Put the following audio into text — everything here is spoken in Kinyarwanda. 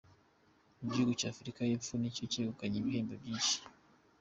Igihugu cya Afurika y’Epfo nicyo cyegukanye ibihembo byinshi.